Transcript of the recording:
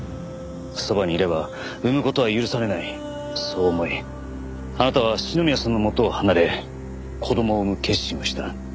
そばにいれば産む事は許されないそう思いあなたは篠宮さんのもとを離れ子供を産む決心をした。